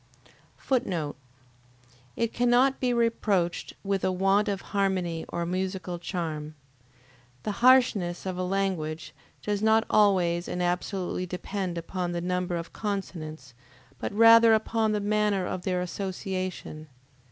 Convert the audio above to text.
[Footnote: It cannot be reproached with a want of harmony or musical charm. The harshness of a language does not always and absolutely depend upon the number of consonants, but rather upon the manner of their association.